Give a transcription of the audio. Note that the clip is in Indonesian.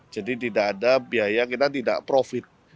jadi tidak ada biaya kita tidak profit